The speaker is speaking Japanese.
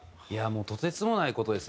とてつもない事ですね